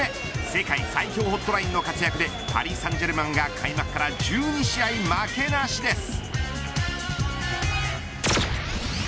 世界最強ホットラインの活躍でパリ・サンジェルマンが開幕から１２試合負けなしです。